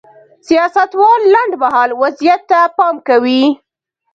سیاستوال لنډ مهال وضعیت ته پام کوي.